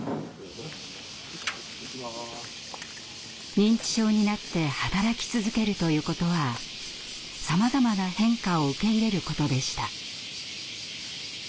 認知症になって働き続けるということはさまざまな変化を受け入れることでした。